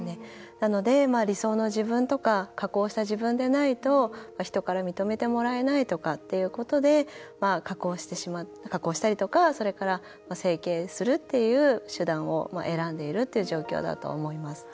なので、理想の自分とか加工した自分でないと人から認めてもらえないとかっていうことで加工したりとかそれから整形するっていう手段を選んでいるっていう状況だと思います。